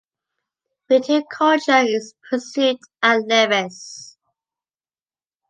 Viticulture is pursued at Levice.